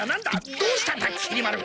どうしたんだきり丸。